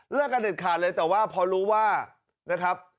กันเด็ดขาดเลยแต่ว่าพอรู้ว่านะครับ